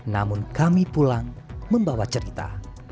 namun kami pulang membawa cerita